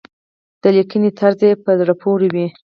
د لیکنې طرز يې په زړه پورې وي.